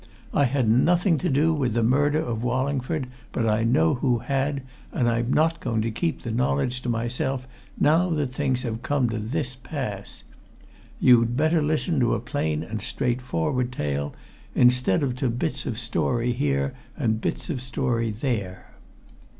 I had nothing to do with the murder of Wallingford, but I know who had, and I'm not going to keep the knowledge to myself, now that things have come to this pass. You'd better listen to a plain and straightforward tale, instead of to bits of a story here and bits of a story there."